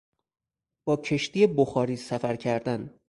با کشتی بخاری سفر کردن